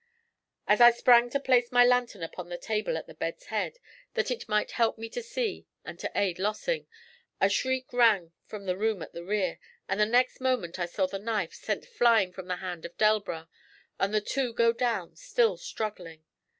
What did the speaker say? As I sprang to place my lantern upon the table at the bed's head, that it might help me to see and to aid Lossing, a shriek rang from the room at the rear, and the next moment I saw the knife sent flying from the hand of Delbras, and the two go down, still struggling.